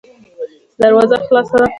دروازه خلاصه ده.